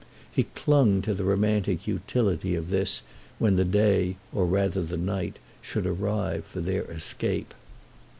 He clung to the romantic utility of this when the day, or rather the night, should arrive for their escape.